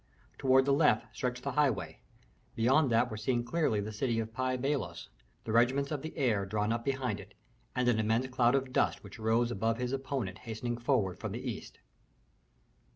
Toward the left stretched the highway; beyond that were seen clearly the city of Pi Bailos, the regiments of the heir drawn up behind it, and an immense cloud of dust which rose above his opponent hastening forward from the east.